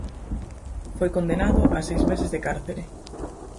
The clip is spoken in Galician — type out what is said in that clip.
Foi condenado a seis meses de cárcere.